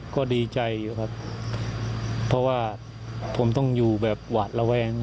ก็ดีใจอยู่ครับเพราะว่าผมต้องอยู่แบบหวาดระแวง